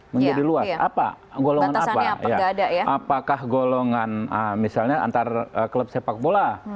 menjadi luas apa golongan apa apakah golongan misalnya antar klub sepak bola